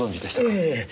ええ。